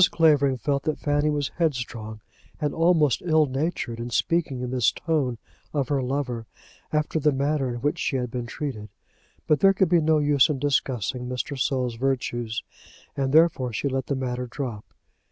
Clavering felt that Fanny was headstrong, and almost ill natured, in speaking in this tone of her lover, after the manner in which she had been treated; but there could be no use in discussing Mr. Saul's virtues, and therefore she let the matter drop.